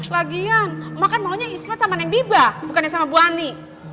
lagian makan maunya ismet sama neng biba bukannya sama bu ani